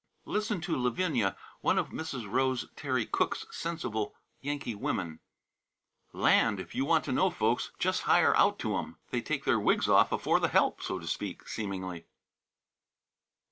Listen to Lavinia, one of Mrs. Rose Terry Cooke's sensible Yankee women: "Land! if you want to know folks, just hire out to 'em. They take their wigs off afore the help, so to speak, seemingly."